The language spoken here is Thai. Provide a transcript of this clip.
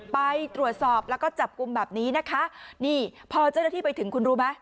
ไปตรวจสอบแล้วก็จับกลุ่มแบบนี้นะคะนี่พอเจ้าหน้าที่ไปถึงคุณรู้ไหม